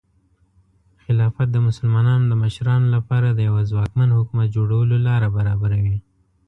خلافت د مسلمانانو د مشرانو لپاره د یوه ځواکمن حکومت جوړولو لاره برابروي.